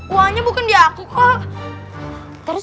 uangnya bukan di aku kak